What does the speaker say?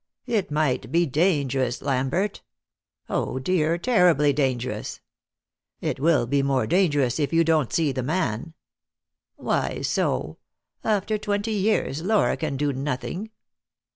"It might be dangerous, Lambert. Oh dear, terribly dangerous!" "It will be more dangerous if you don't see the man." "Why so? After twenty years Laura can do nothing."